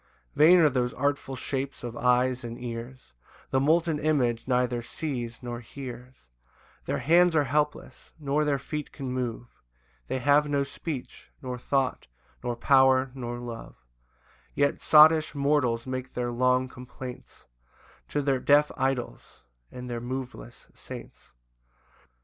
3 [Vain are those artful shapes of eyes and ears; The molten image neither sees nor hears: Their hands are helpless, nor their feet can move, They have no speech, nor thought, nor power, nor love; Yet sottish mortals make their long complaints To their deaf idols, and their moveless saints.